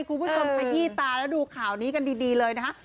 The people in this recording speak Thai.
คุณผู้ชมไปยี่ตาแล้วดูข่าวนี้กันดีเลยนะคะ